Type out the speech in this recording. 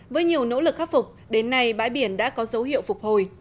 với nhiều nỗ lực khắc phục đến nay bãi biển đã có dấu hiệu phục hồi